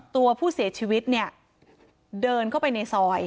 ตัวผู้เสียชีวิตเนี่ยเดินเข้าไปในซอย